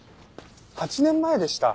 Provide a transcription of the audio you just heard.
８年前でした。